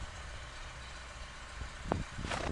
匈牙利的最高峰凯凯什峰属于该山脉。